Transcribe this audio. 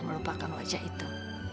melupakan wajah itu